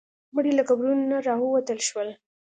مړي له قبرونو نه راوتل شول.